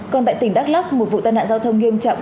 còn tại tỉnh đắk lắc một vụ tai nạn giao thông nghiêm trọng